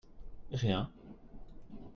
Rien.